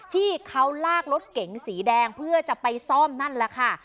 ที่เขาลากรถเก๋งสีแดงเพื่อจะไปซ่อมนั่นแหละค่ะ